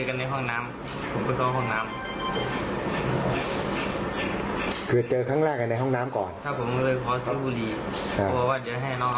ก็ต้องคุมตัวนะเงี่ย